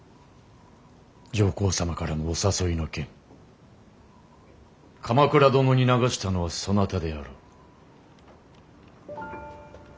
上皇様からのお誘いの件鎌倉殿に流したのはそなたであろう。